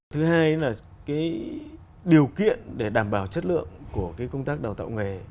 thứ hai là cái điều kiện để đảm bảo chất lượng của cái công tác đào tạo nghề